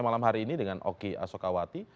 malam hari ini dengan oki asokawati